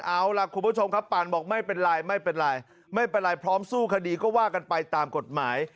เอาล่ะคุณผู้ชมครับปานบอกไม่เป็นไรไม่เป็นไรพร้อมสู้คดีก็ว่ากันไปตามกฎหมาย